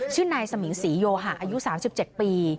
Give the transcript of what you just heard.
ชื่อนายสมิงศรีโยหะอายุ๓๗ปี